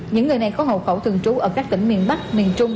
những người này có hậu khẩu thường trú ở các tỉnh miền bắc miền trung